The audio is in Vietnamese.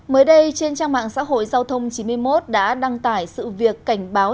mới đây trên trang mạng xã hội giao thông chín mươi một đã đăng tải sự việc cảnh báo